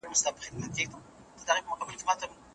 خلګو په کارونو کي لېوالتیا وښودله.